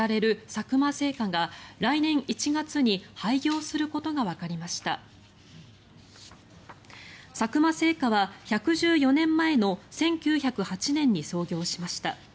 佐久間製菓は１１４年前の１９０８年に創業しました。